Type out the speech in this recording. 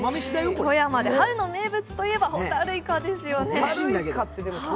富山で春の名物といえばほたるいかですよね。